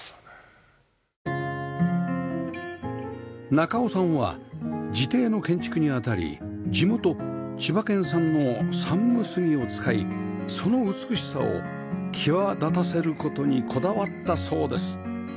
中尾さんは自邸の建築に当たり地元千葉県産のサンブスギを使いその美しさを際立たせる事にこだわったそうです